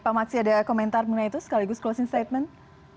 pak maksi ada komentar mengenai itu sekaligus closing statement